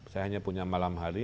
saya hanya punya malam hari